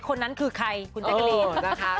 คนนั้นคือใครคุณแจกรี